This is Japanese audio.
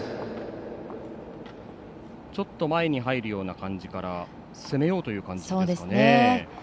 ちょっと前に入るような感じから攻めようという感じですかね。